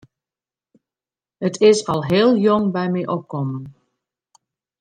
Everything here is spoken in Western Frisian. It is al heel jong by my opkommen.